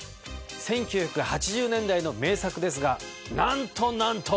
１９８０年代の名作ですがなんとなんと！